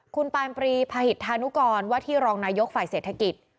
คุณปานปรีพหิตธานุกรว่าที่รองนายกฝ่ายเศรษฐกิจ